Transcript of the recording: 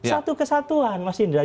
satu kesatuan mas indra